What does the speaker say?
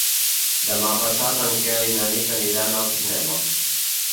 Demà passat en Quel i na Nit aniran al cinema.